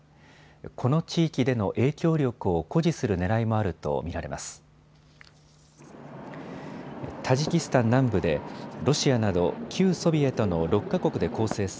この地域での影響力を誇示するねらいもあると見られます。